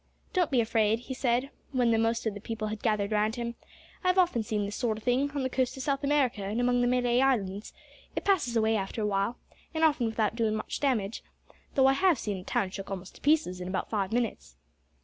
"Don't be afraid," he said, when the most of the people had gathered round him. "I've often seen this sort o' thing, on the coast o' South America and among the Malay Islands. It passes away after a while, and often without doin' much damage though I have seen a town shook almost to pieces in about five minutes."